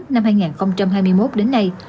năm hai nghìn hai mươi một đến nay